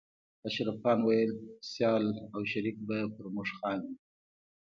اشرف خان ويل چې سيال او شريک به پر موږ خاندي